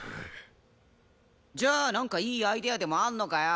じゃあなんかいいアイデアでもあんのかよ。